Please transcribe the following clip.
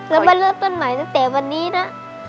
แล้วมาเริ่มต้นใหม่ตั้งแต่วันนี้นะ